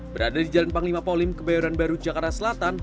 berada di jalan panglima polim kebayoran baru jakarta selatan